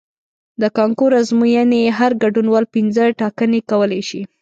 د کانکور ازموینې هر ګډونوال پنځه ټاکنې کولی شي.